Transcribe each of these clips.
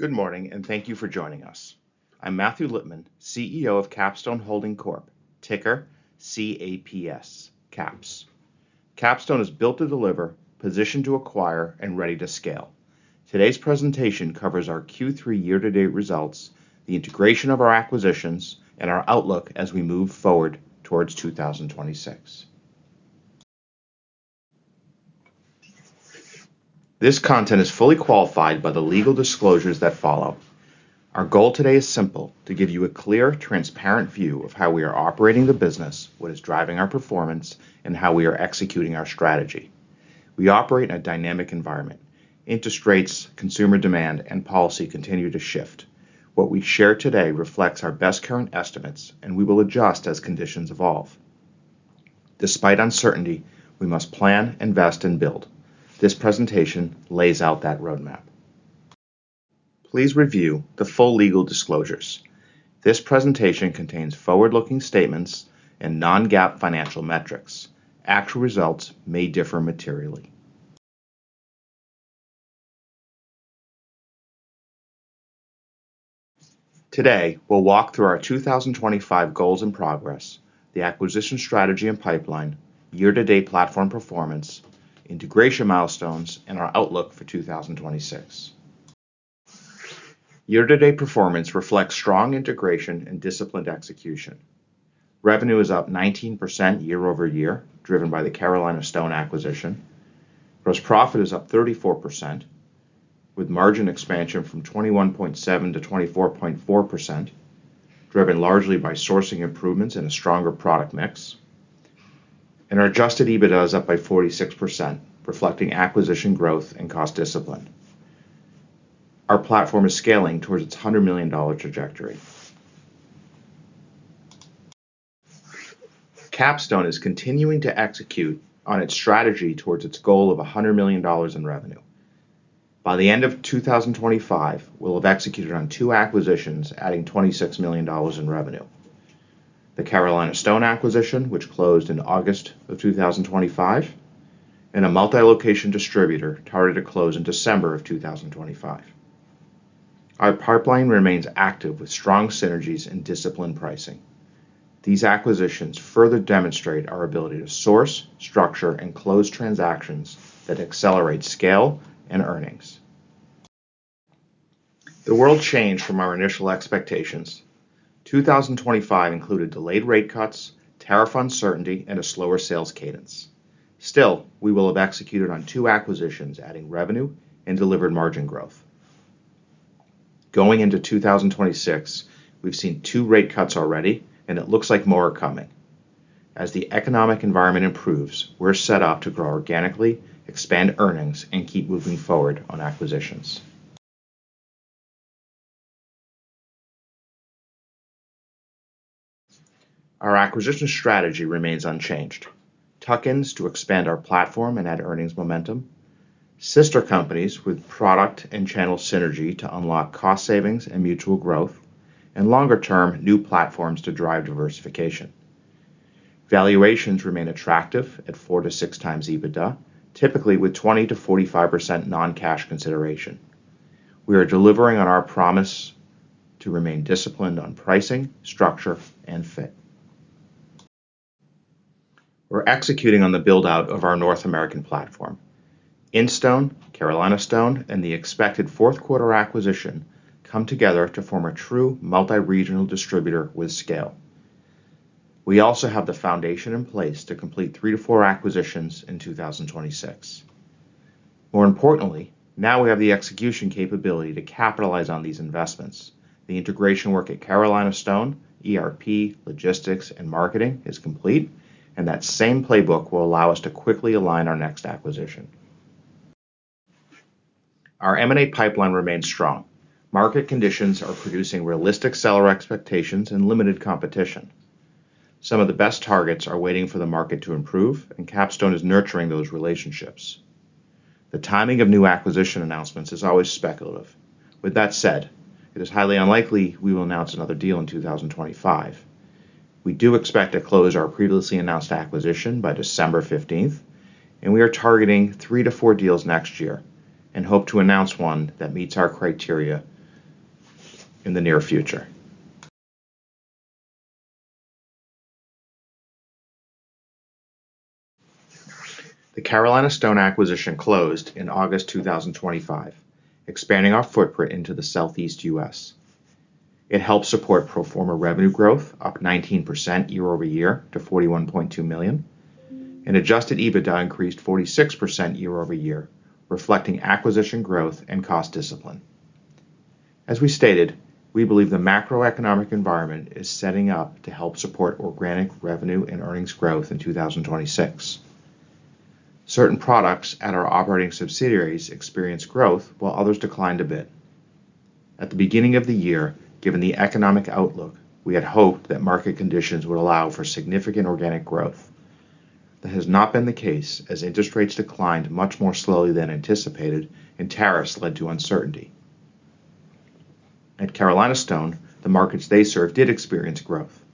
Good morning, and thank you for joining us. I'm Matthew Lipman, CEO of Capstone Holding Corp, ticker C-A-P-S, CAPS. Capstone is built to deliver, positioned to acquire, and ready to scale. Today's presentation covers our Q3 year-to-date results, the integration of our acquisitions, and our outlook as we move forward towards 2026. This content is fully qualified by the legal disclosures that follow. Our goal today is simple, to give you a clear, transparent view of how we are operating the business, what is driving our performance, and how we are executing our strategy. We operate in a dynamic environment. Interest rates, consumer demand, and policy continue to shift. What we share today reflects our best current estimates, and we will adjust as conditions evolve. Despite uncertainty, we must plan, invest, and build. This presentation lays out that roadmap. Please review the full legal disclosures. This presentation contains forward-looking statements and non-GAAP financial metrics. Actual results may differ materially. Today, we'll walk through our 2025 goals and progress, the acquisition strategy and pipeline, year-to-date platform performance, integration milestones, and our outlook for 2026. Year-to-date performance reflects strong integration and disciplined execution. Revenue is up 19% year-over-year, driven by the Carolina Stone Products acquisition. Gross profit is up 34%, with margin expansion from 21.7%-24.4%, driven largely by sourcing improvements and a stronger product mix. Our adjusted EBITDA is up by 46%, reflecting acquisition growth and cost discipline. Our platform is scaling towards its $100 million trajectory. Capstone is continuing to execute on its strategy towards its goal of $100 million in revenue. By the end of 2025, we'll have executed on two acquisitions, adding $26 million in revenue. The Carolina Stone acquisition, which closed in August of 2025, and a multi-location distributor targeted to close in December of 2025. Our pipeline remains active with strong synergies and disciplined pricing. These acquisitions further demonstrate our ability to source, structure, and close transactions that accelerate scale and earnings. The world changed from our initial expectations. 2025 included delayed rate cuts, tariff uncertainty, and a slower sales cadence. Still, we will have executed on two acquisitions, adding revenue and delivered margin growth. Going into 2026, we've seen two rate cuts already, and it looks like more are coming. As the economic environment improves, we're set up to grow organically, expand earnings, and keep moving forward on acquisitions. Our acquisition strategy remains unchanged. Tuck-ins to expand our platform and add earnings momentum, sister companies with product and channel synergy to unlock cost savings and mutual growth, and longer-term, new platforms to drive diversification. Valuations remain attractive at 4-6x EBITDA, typically with 20%-45% non-cash consideration. We are delivering on our promise to remain disciplined on pricing, structure, and fit. We're executing on the build-out of our North American platform. Instone, Carolina Stone, and the expected fourth quarter acquisition come together to form a true multi-regional distributor with scale. We also have the foundation in place to complete 3-4 acquisitions in 2026. More importantly, now we have the execution capability to capitalize on these investments. The integration work at Carolina Stone, ERP, logistics, and marketing is complete, and that same playbook will allow us to quickly align our next acquisition. Our M&A pipeline remains strong. Market conditions are producing realistic seller expectations and limited competition. Some of the best targets are waiting for the market to improve, and Capstone is nurturing those relationships. The timing of new acquisition announcements is always speculative. With that said, it is highly unlikely we will announce another deal in 2025. We do expect to close our previously announced acquisition by December 15th, and we are targeting 3-4 deals next year and hope to announce one that meets our criteria in the near future. The Carolina Stone acquisition closed in August 2025, expanding our footprint into the Southeast U.S. It helped support pro forma revenue growth, up 19% year-over-year to $41.2 million, and adjusted EBITDA increased 46% year-over-year, reflecting acquisition growth and cost discipline. As we stated, we believe the macroeconomic environment is setting up to help support organic revenue and earnings growth in 2026. Certain products at our operating subsidiaries experienced growth while others declined a bit. At the beginning of the year, given the economic outlook, we had hoped that market conditions would allow for significant organic growth. That has not been the case as interest rates declined much more slowly than anticipated and tariffs led to uncertainty. At Carolina Stone, the markets they serve did experience growth.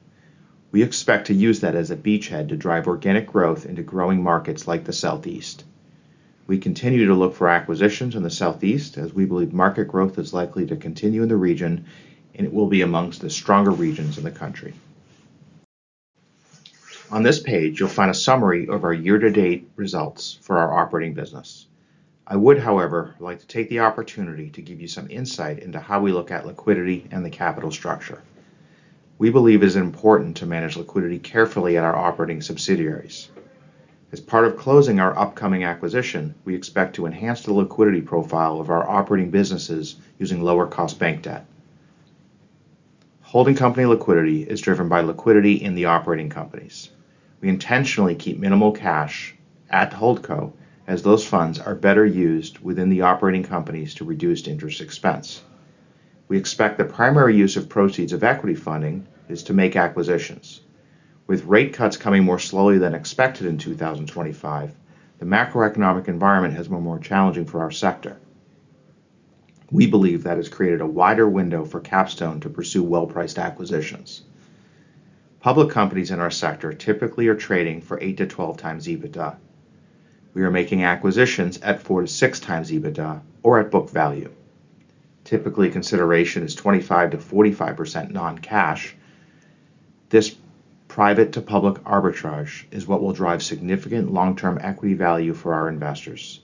We expect to use that as a beachhead to drive organic growth into growing markets like the Southeast. We continue to look for acquisitions in the Southeast as we believe market growth is likely to continue in the region, and it will be amongst the stronger regions in the country. On this page, you'll find a summary of our year-to-date results for our operating business. I would, however, like to take the opportunity to give you some insight into how we look at liquidity and the capital structure. We believe it is important to manage liquidity carefully at our operating subsidiaries. As part of closing our upcoming acquisition, we expect to enhance the liquidity profile of our operating businesses using lower cost bank debt. Holding company liquidity is driven by liquidity in the operating companies. We intentionally keep minimal cash at the holdco as those funds are better used within the operating companies to reduce interest expense. We expect the primary use of proceeds of equity funding is to make acquisitions. With rate cuts coming more slowly than expected in 2025, the macroeconomic environment has been more challenging for our sector. We believe that has created a wider window for Capstone to pursue well-priced acquisitions. Public companies in our sector typically are trading for 8-12x EBITDA. We are making acquisitions at 4-6x EBITDA or at book value. Typically, consideration is 25%-45% non-cash. This private to public arbitrage is what will drive significant long-term equity value for our investors.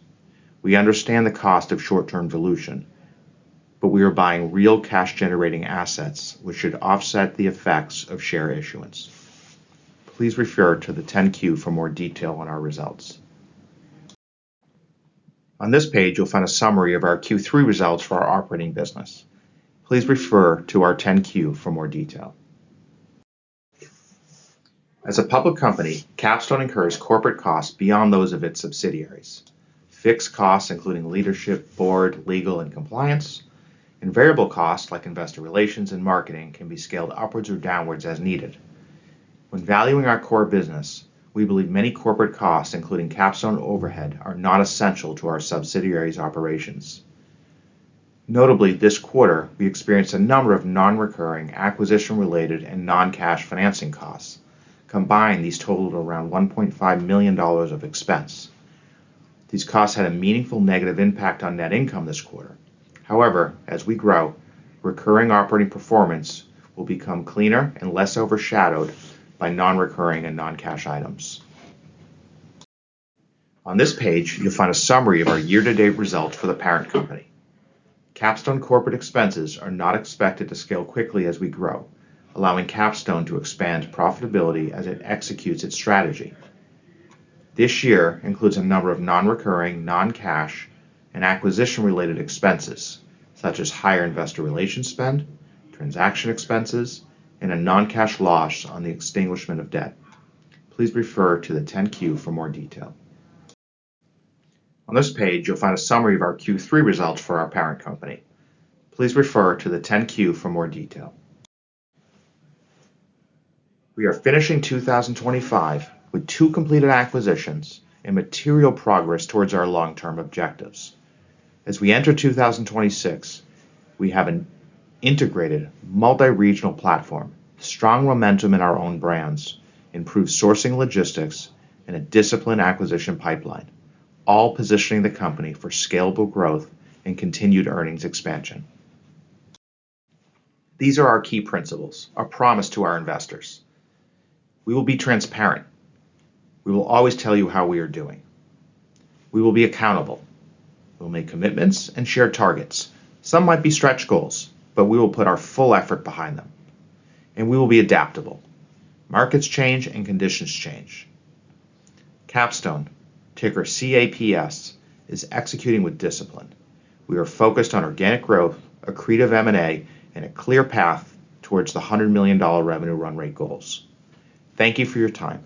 We understand the cost of short-term dilution, but we are buying real cash-generating assets, which should offset the effects of share issuance. Please refer to the 10-Q for more detail on our results. On this page, you'll find a summary of our Q3 results for our operating business. Please refer to our 10-Q for more detail. As a public company, Capstone incurs corporate costs beyond those of its subsidiaries. Fixed costs, including leadership, board, legal, and compliance, and variable costs, like investor relations and marketing, can be scaled upwards or downwards as needed. When valuing our core business, we believe many corporate costs, including Capstone overhead, are not essential to our subsidiaries' operations. Notably, this quarter, we experienced a number of non-recurring acquisition-related and non-cash financing costs. Combined, these totaled around $1.5 million of expense. These costs had a meaningful negative impact on net income this quarter. However, as we grow, recurring operating performance will become cleaner and less overshadowed by non-recurring and non-cash items. On this page, you'll find a summary of our year-to-date results for the parent company. Capstone corporate expenses are not expected to scale quickly as we grow, allowing Capstone to expand profitability as it executes its strategy. This year includes a number of non-recurring non-cash and acquisition-related expenses, such as higher investor relations spend, transaction expenses, and a non-cash loss on the extinguishment of debt. Please refer to the 10-Q for more detail. On this page, you'll find a summary of our Q3 results for our parent company. Please refer to the 10-Q for more detail. We are finishing 2025 with two completed acquisitions and material progress towards our long-term objectives. As we enter 2026, we have an integrated multi-regional platform, strong momentum in our own brands, improved sourcing logistics, and a disciplined acquisition pipeline, all positioning the company for scalable growth and continued earnings expansion. These are our key principles, our promise to our investors. We will be transparent. We will always tell you how we are doing. We will be accountable. We'll make commitments and share targets. Some might be stretch goals, but we will put our full effort behind them, and we will be adaptable. Markets change and conditions change. Capstone, ticker CAPS, is executing with discipline. We are focused on organic growth, accretive M&A, and a clear path towards the $100 million revenue run rate goals. Thank you for your time.